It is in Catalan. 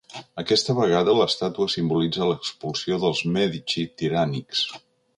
Aquesta vegada, l'estàtua simbolitza l'expulsió dels Mèdici tirànics.